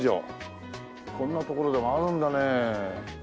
こんな所でもあるんだね。